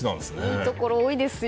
いいところ多いですよ。